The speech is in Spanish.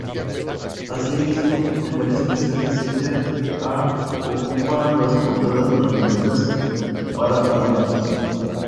Asimismo, en varias ocasiones ella ha ocupa las portadas de las revistas para adultos.